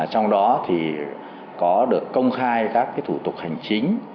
trong đó thì có được công khai các thủ tục hành chính